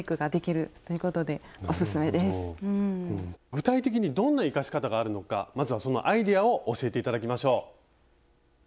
具体的にどんな生かし方があるのかまずはそのアイデアを教えて頂きましょう。